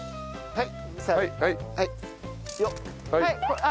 はい。